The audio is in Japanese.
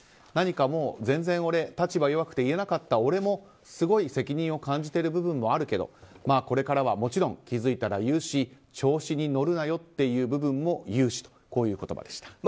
何かもう全然、俺、立場弱くて言えなかった俺もすごい責任を感じてる部分もあるけどまあ、これからはもちろん気づいたら言うし調子に乗るなよって部分も言うしという言葉でした。